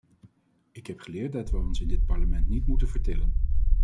Ik heb geleerd dat wij ons in dit parlement niet moeten vertillen.